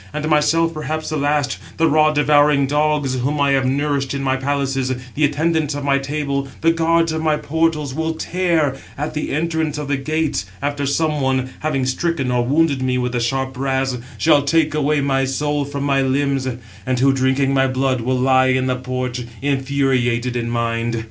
And myself perhaps the last—the raw devouring dogs, whom I have nourished in my palaces, the attendants of my table, the guards of my portals, will tear at the entrance of the gates, 699 after some one, having stricken or wounded me with the sharp brass, shall take away my soul from my limbs; and who, drinking my blood, will lie in the porch, infuriated in mind.